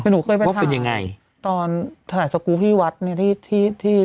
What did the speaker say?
แล้วหนูเคยไปถ่ายว่าเป็นยังไงตอนถ่ายสกุลที่วัดนี่ที่ที่ที่